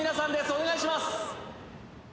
お願いします